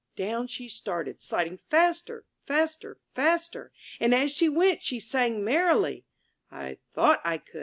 Down she started, sliding faster, faster, faster, and as she went she sang merrily, ''I thought I could